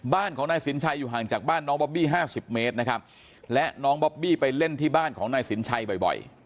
บ้านของนายสินชัยอยู่ห่างจากบ้านน้องบอบบี้ห้าสิบเมตรนะครับและน้องบอบบี้ไปเล่นที่บ้านของนายสินชัยบ่อย